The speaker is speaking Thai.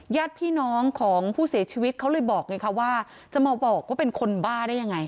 ญาติพี่น้องของผู้เสียชีวิตเขาเลยบอกไงคะว่าจะมาบอกว่าเป็นคนบ้าได้ยังไง